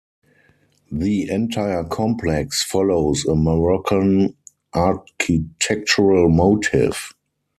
The entire complex follows a Moroccan architectural motif.